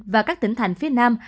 và các tỉnh thành phía nam